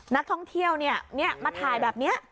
นักท่องเที่ยวมาถ่ายแบบนี้